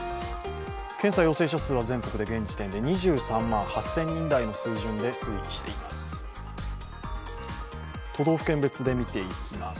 検査陽性者数は全国で現時点で２３万８０００人台の数字で推移しています。